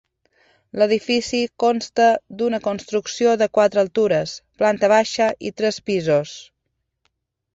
L'edifici consta d'una construcció de quatre altures, planta baixa i tres pisos.